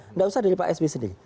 tidak usah dari pak sby sendiri